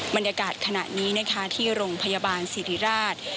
บรรยากาศขณะนี้นะคะที่โรงพยาบาลสิริราช